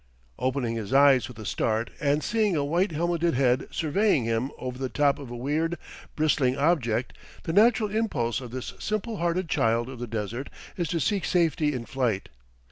Opening his eyes with a start and seeing a white helmeted head surveying him over the top of a weird, bristling object, the natural impulse of this simple hearted child of the desert is to seek safety in flight.